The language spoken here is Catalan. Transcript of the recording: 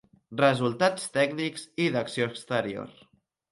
Resultats tècnics i d'acció exterior.